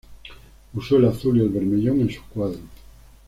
Usó el azul y el bermellón en sus cuadros.